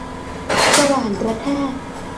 สว่านกระแทก